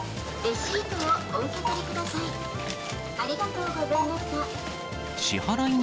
レシートをお受け取りください。